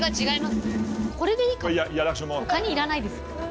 他にいらないです。